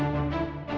aku mau percaya dia